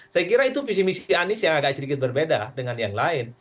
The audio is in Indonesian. saya kira itu visi misi anies yang agak sedikit berbeda dengan yang lain